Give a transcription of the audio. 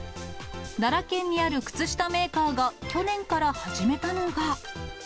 奈良県にある靴下メーカーが去年から始めたのが。